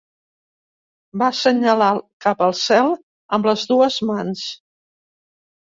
Va assenyalar cap al cel amb les dues mans.